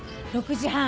６時半。